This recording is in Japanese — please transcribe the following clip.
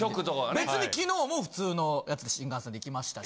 別に昨日も普通のやつで新幹線で行きましたし。